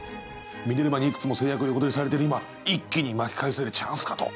ミネルヴァにいくつも成約横取りされてる今一気に巻き返せるチャンスかと。